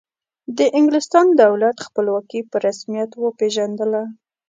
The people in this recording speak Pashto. د انګلستان دولت خپلواکي په رسمیت وپیژندله.